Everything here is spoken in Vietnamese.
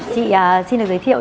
chị xin được giới thiệu